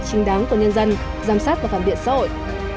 chính đáng của nhân dân giám sát và phản biện xã hội